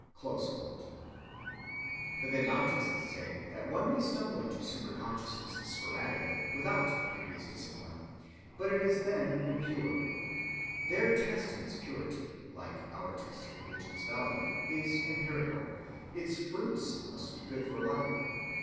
(243) The Vedantists say that one may stumble into superconsciousness sporadically, without the previous discipline, but it is then impure. Their test of its purity, like our test of religion's value, is empirical: its fruits must be good for life.